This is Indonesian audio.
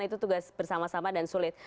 itu tugas bersama sama dan sulit